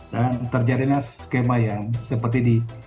dan terjadinya skema yang seperti di